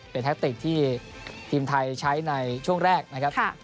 เป็นแท็กติกที่ทีมไทยใช้ในช่วงแรกนะครับ